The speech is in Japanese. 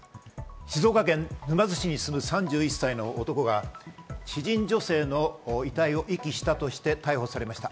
静岡県沼津市に住む３１歳の男が知人女性の遺体を遺棄したとして逮捕されました。